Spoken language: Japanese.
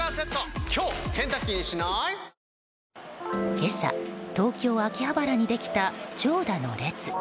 今朝、東京・秋葉原にできた長蛇の列。